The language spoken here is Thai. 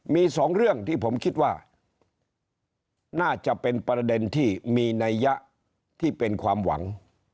มีสองเรื่องที่ผมคิดว่าน่าจะเป็นประเด็นที่มีนัยยะที่เป็นความหวัง